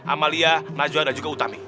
amalia najwa dan juga utami